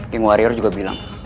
geng warior juga bilang